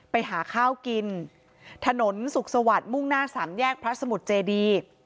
ไปหาข้าวกินถนนสุขสวัสดิ์มุ่งหน้าสามแยกพระสมุทรเจดี